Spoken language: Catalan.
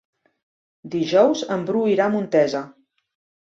Dijous en Bru irà a Montesa.